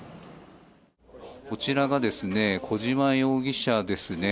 こちらが小島容疑者ですね。